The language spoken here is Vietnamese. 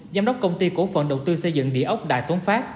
giám đốc công ty cổ phận đầu tư xây dựng địa ốc đại tuấn phát